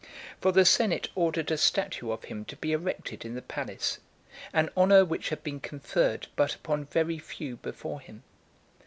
For the senate ordered a statue of him to be erected in the palace; an honour which had been conferred but upon very few before him.